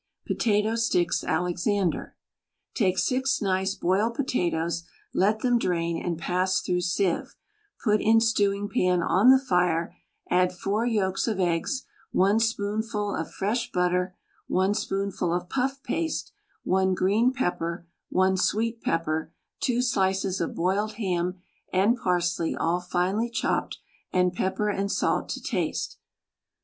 POTATO STICKS ALEXANDER Take six nice boiled potatoes, let them drain and pass through sieve, put in stewing pan on the fire, add four yolks of eggs, one spoonful of fresh butter, one spoonful of puff paste; one green pepper, one sweet pepper, two slices of boiled ham and parsley all finely chopped, and pepper and salt to taste.